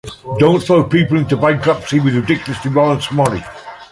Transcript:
Don't throw people into bankruptcy with ridiculous demands for money.